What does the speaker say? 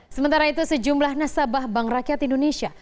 sementara itu sejumlah nasabah bank rakyat indonesia